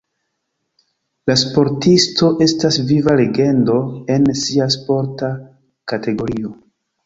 La sportisto estas viva legendo en sia sporta kategorio.